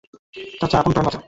চাচা আপন প্রাণ বাঁচা।